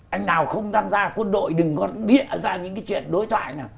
anh nào không tham gia quân đội đừng có biện ra những cái chuyện đối thoại nào